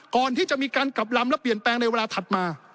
ก่อนที่จะมีการกลับลำและเปลี่ยนแปลงในเวลาถัดมา